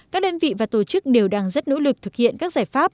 các đơn vị và tổ chức đều đang rất nỗ lực thực hiện các giải pháp